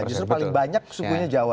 justru paling banyak sukunya jawa